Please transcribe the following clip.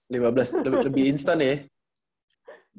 lima belas lebih instan ya